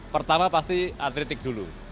pertama pasti atletik dulu